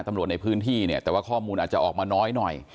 ตำรวจในพื้นที่เนี่ยแต่ว่าข้อมูลอาจจะออกมาน้อยหน่อย